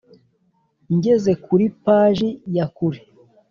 Ngeze kuri paji yakure